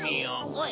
おい！